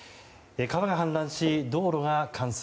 川が氾濫し、道路が冠水。